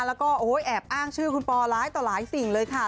แล้วก็แอบอ้างชื่อคุณปอร้ายต่อหลายสิ่งเลยค่ะ